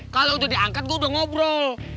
kalau udah diangkat gue udah ngobrol